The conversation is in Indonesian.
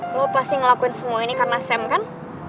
mau pasti ngelakuin semua ini karena sam kan